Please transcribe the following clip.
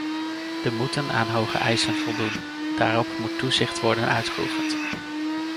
De moeten aan hoge eisen voldoen, daarop moet toezicht worden uitgeoefend.